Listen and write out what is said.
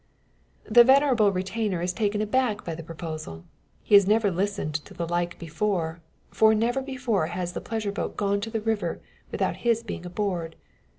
The venerable retainer is taken aback by the proposal. He has never listened to the like before; for never before has the pleasure boat gone to river without his being aboard.